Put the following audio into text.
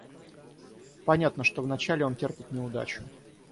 Понятно, что вначале он терпит неудачу.